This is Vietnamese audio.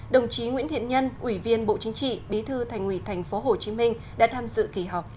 đồng chí nguyễn thiện nhân ủy viên bộ chính trị bí thư thành ủy tp hcm đã tham dự kỳ họp